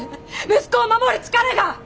息子を守る力が！